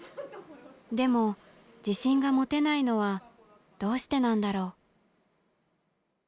でも自信が持てないのはどうしてなんだろう。